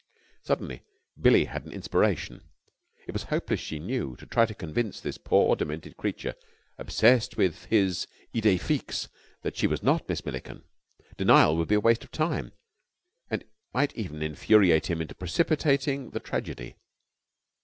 Suddenly Billie had an inspiration. It was hopeless she knew, to try to convince this poor demented creature, obsessed with his idee fixe, that she was not Miss Milliken. Denial would be a waste of time, and might even infuriate him into precipitating the tragedy.